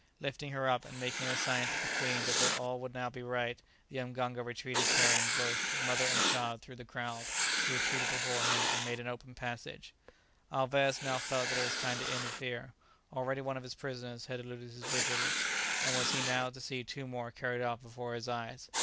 Lifting her up, and making a sign to the queen that all would now be right, the mganga retreated carrying both mother and child through the crowd, who retreated before him and made an open passage. Alvez now felt that it was time to interfere. Already one of his prisoners had eluded his vigilance, and was he now to see two more carried off before his eyes?